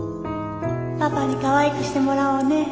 パパにかわいくしてもらおうね。